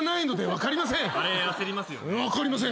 分かりません。